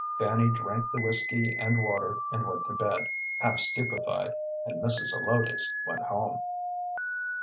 Fanny drank the whiskey and water and went to bed, half stupefied, and Mrs. Zelotes went home.